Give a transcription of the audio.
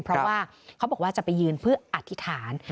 เพราะว่าเขาบอกว่าจะไปยืนเพื่ออธิษฐาน